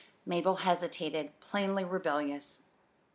Mabel hesitated, plainly rebellious.